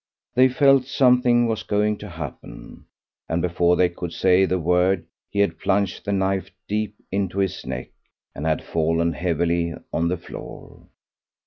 They felt something was going to happen, and before they could say the word he had plunged the knife deep into his neck, and had fallen heavily on the floor.